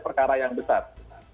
perkara yang besar